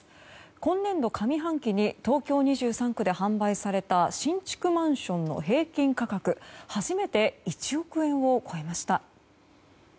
今年度上半期に東京２３区で販売された新築マンションの平均価格初めて１億円を超えました。